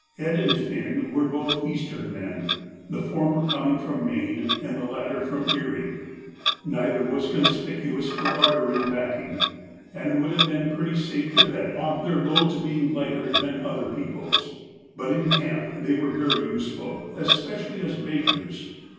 Ed. and Finn were both Eastern men, the former coming from Maine, and the latter from Erie. Neither was conspicuous for ardour in packing, and it would have been pretty safe to bet on their loads being lighter than other people's. But in camp they were very useful, especially as bakers.